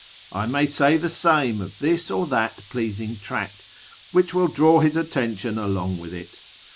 I may say the same of this or that pleasing tract, which will draw his attention along with it.